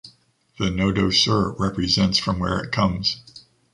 The Nodo Sur represents from where it comes.